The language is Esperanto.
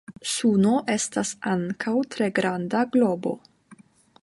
Suno estas ankaŭ tre granda globo.